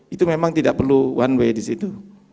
itu memang tidak perlu one way di situ